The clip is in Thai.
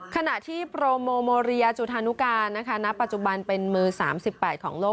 ขณะที่โปรโมโมเรียจุธานุกานะคะณปัจจุบันเป็นมือ๓๘ของโลก